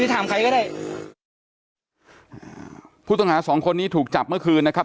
ถามใครก็ได้ผู้ต้องหาสองคนนี้ถูกจับเมื่อคืนนะครับ